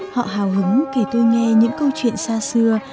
họ hào hứng kể tôi nghe những câu chuyện xa xưa